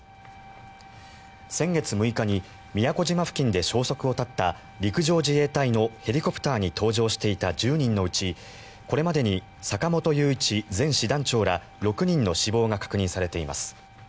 先月６日に宮古島付近で消息を絶った陸上自衛隊のヘリコプターに搭乗していた１０人のうちこれまでに坂本雄一前師団長ら６人の死亡が確認されています。